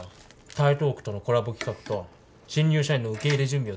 台東区とのコラボ企画と新入社員の受け入れ準備を手伝いますって。